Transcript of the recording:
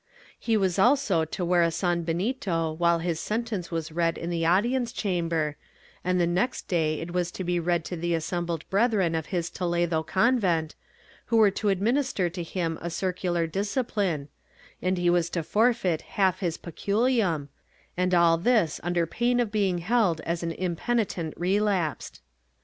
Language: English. He was also to wear a sanbenito, while his sentence was read in the audience chamber, and the next day it was to be read to the assem bled brethren of his Toledo convent, who were to administer to him a circular discipline, and he was to forfeit half his peculium — and all this under pain of being held as an impenitent relapsed.